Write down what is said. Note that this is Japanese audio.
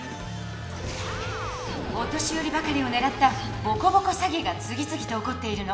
お年よりばかりをねらったボコボコ詐欺が次つぎと起こっているの。